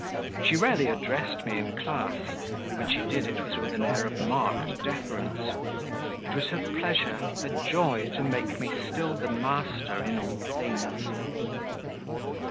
She rarely addressed me in class; when she did it was with an air of marked deference; it was her pleasure, her joy to make me still the master in all things.